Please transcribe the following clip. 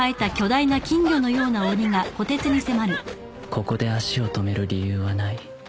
ここで足を止める理由はない